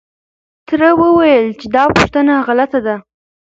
تره وويل چې دا پوښتنه غلطه ده.